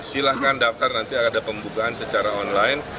silahkan daftar nanti ada pembukaan secara online